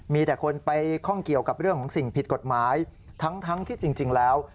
มีแต่คนไปข้องเกี่ยวกับเรื่องของสิ่งผิดกฎหมายทั้งที่จริงแล้ว